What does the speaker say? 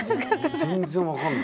全然分かんない。